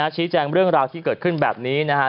ชี้แจงเรื่องราวที่เกิดขึ้นแบบนี้นะฮะ